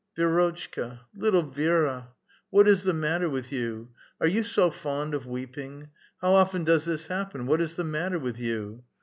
'' Vi^rotchka [Little Vi^ra] ! What is the matter with you? Are you so fond of weeping ? How often does this happen ? What is the matter with you